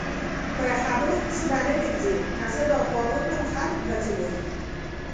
په خبرو پسې به نه ګرځی که زه داکاروکړم خلک به څه وایي؟